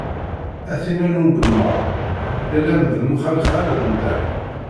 A tinn-a n ugemmaḍ, lalla-m d mm uxelxal n ddeḥ.